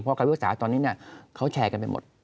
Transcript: เพราะคำพิพากษาตอนนี้เขาแชร์กันไปหมด